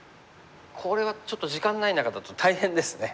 これはちょっと時間ない中だと大変ですね。